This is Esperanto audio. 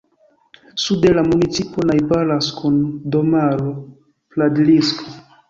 Sude la municipo najbaras kun domaro Pradlisko.